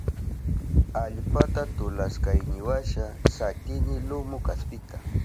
Allpata tulashkayniwasha satini lumu kaspita.